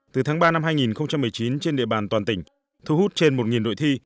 từ tháng ba năm hai nghìn một mươi chín trên địa bàn toàn tỉnh thu hút trên một đội thi